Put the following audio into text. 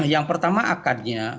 yang pertama akadnya